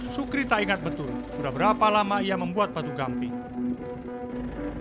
sutri tidak ingat betul sudah berapa lama dia membuat batu gamping